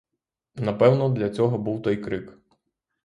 Напевно, для цього був той крик.